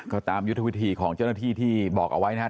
ก็ตามยุทธวิธีของเจ้าหน้าที่ที่บอกเอาไว้นะครับ